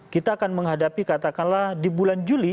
kita akan menghadapi katakanlah di bulan juli